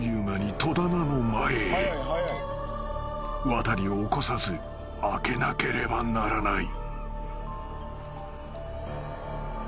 ［ワタリを起こさず開けなければならない］